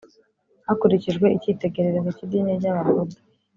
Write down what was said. hakurikijwe icyitegererezo cy’idini ry’ababuda.